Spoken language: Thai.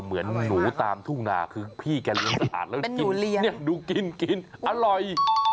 เหมือนหนูตามทุ่งนาคือพี่แกเลี้ยงสะอาดแล้วดูกินกินอร่อย